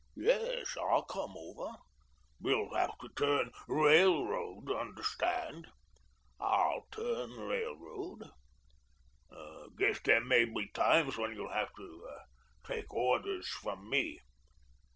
"Yes, I'll come over." "You'll have to turn 'railroad,' understand?" "I'll turn railroad." "Guess there may be times when you'll have to take orders from me."